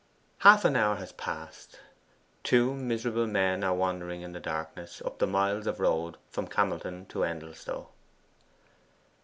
Half an hour has passed. Two miserable men are wandering in the darkness up the miles of road from Camelton to Endelstow.